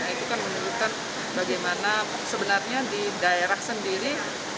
itu kan menunjukkan bagaimana sebenarnya di daerah sendiri